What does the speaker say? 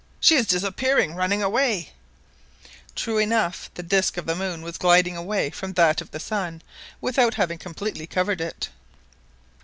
She is disappearing, running away !" True enough the disc of the moon was gliding away from that of the sun without having completely covered it